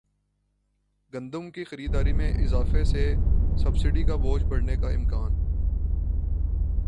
گندم کی خریداری میں اضافے سے سبسڈی کا بوجھ بڑھنے کا امکان